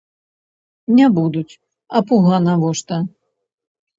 Не будуць, а пуга навошта?